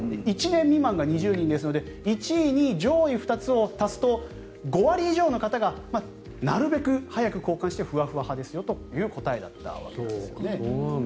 １年未満が２０人ですので１位、２位上位２つを足すと５割以上の方がなるべく早く交換してフワフワ派ですという答えだったわけですね。